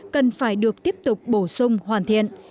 cần phải được tiếp tục bổ sung hoàn thiện